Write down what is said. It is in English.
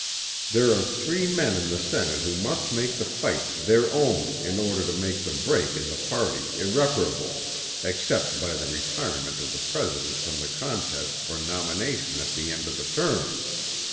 There are three men in the Senate who must make the fight their own in order to make the break in the party irreparable, except by the retirement of the President from the contest for nomination at the end of the term.